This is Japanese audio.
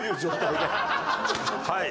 はい。